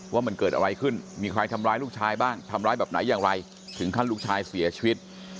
ว่ามันเกิดอะไรขึ้นมีใครทำร้ายลูกชายบ้างทำร้ายแบบไหนอย่างไรถึงขั้นลูกชายเสียชีวิต